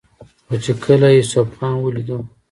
خو چې کله يې يوسف خان وليدو